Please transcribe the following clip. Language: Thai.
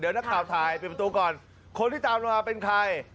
เดี๋ยวนักข่ากระทบทิวะก่อนคนที่ตามมาเป็นใคร